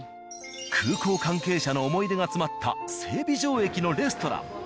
空港関係者の思い出が詰まった整備場駅のレストラン。